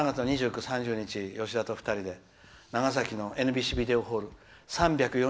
３月２９、３０日、吉田と２人で長崎のＮＢＣビデオホール。